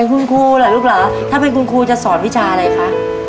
คุณครูเหรอลูกเหรอถ้าเป็นคุณครูจะสอนวิชาอะไรคะ